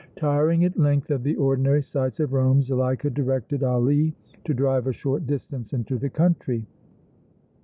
Tiring at length of the ordinary sights of Rome, Zuleika directed Ali to drive a short distance into the country.